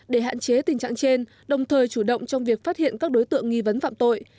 để hạn chế tình trạng trên đồng thời chủ động trong việc phát hiện các đối tượng nghi vấn phạm tội